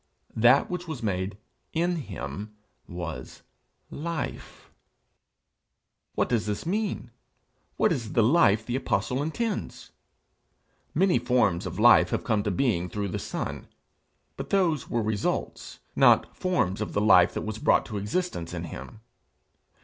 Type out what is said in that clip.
'That which was made in him was life' What does this mean? What is the life the apostle intends? Many forms of life have come to being through the Son, but those were results, not forms of the life that was brought to existence in him.